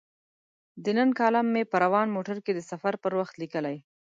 د نن کالم مې په روان موټر کې د سفر پر وخت لیکلی.